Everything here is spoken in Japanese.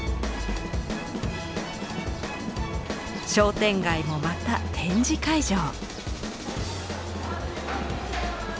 商店街もまた展示会場。